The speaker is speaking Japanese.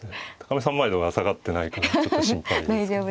見三枚堂が下がってないかがちょっと心配ですけどね。